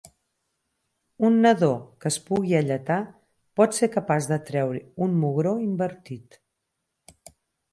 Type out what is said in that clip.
Un nadó que es pugui alletar pot ser capaç de treure un mugró invertit.